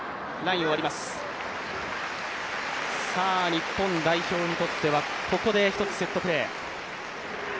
日本代表にとってはここで一つセットプレー。